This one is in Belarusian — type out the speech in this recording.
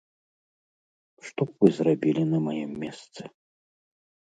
Што б вы зрабілі на маім месцы?